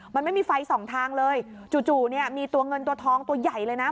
มันไม่มีไฟส่องทางเลยจู่เนี่ยมีตัวเงินตัวทองตัวใหญ่เลยนะ